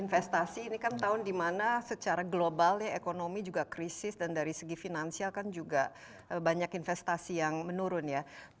investasi ini kan tahun dimana secara global ya ekonomi juga krisis dan dari segi finansial kan juga banyak investasi yang menurun ya